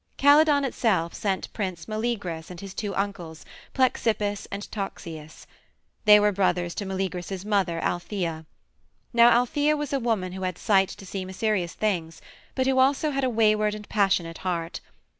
Calydon itself sent Prince Meleagrus and his two uncles, Plexippus and Toxeus. They were brothers to Meleagrus's mother, Althæa. Now Althæa was a woman who had sight to see mysterious things, but who had also a wayward and passionate heart.